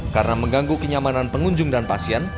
karena mengganggu kenyamanan pengunjung dan pasien